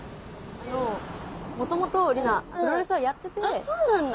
あそうなんだ。